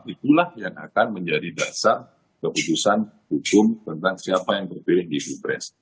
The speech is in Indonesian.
itulah yang akan menjadi dasar keputusan hukum tentang siapa yang terpilih di pilpres